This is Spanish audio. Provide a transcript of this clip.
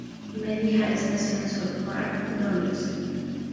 Mary Hays nació en Southwark, Londres.